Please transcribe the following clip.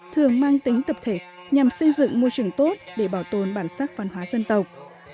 thường mang tính tập thể nhằm xây dựng môi trường tốt để bảo tồn bản sắc văn hóa dân tộc